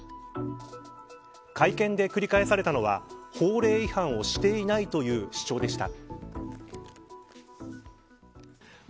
会見で繰り返されたのは法令違反をしていないという主張でした。